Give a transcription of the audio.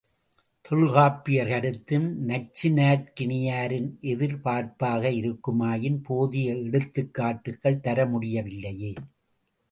தொல்காப்பியர் கருத்தும் நச்சினார்க்கினியரின் எதிர்பார்ப்பாக இருக்குமாயின் போதிய எடுத்துக்காட்டுகள் தரமுடியவில்லையே.